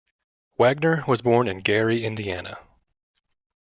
Wagner was born in Gary, Indiana.